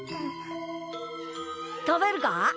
食べるか？